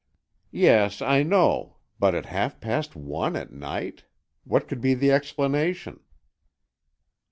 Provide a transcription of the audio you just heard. "Yes, I know, but at half past one at night! What could be the explanation?"